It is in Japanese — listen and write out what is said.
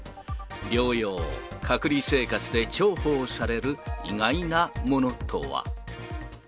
療養・隔離生活で重宝される意外なものとは。